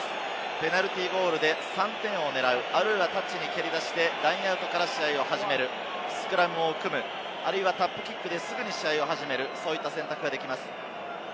ペナルティーゴールで３点を狙う、あるいはタッチに蹴り出してラインアウトから試合を始める、スクラムを組む、タップキックですぐに試合を始める、そういった選択ができます。